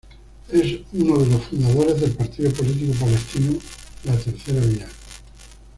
Es uno de los fundadores del partido político palestino La Tercera Vía.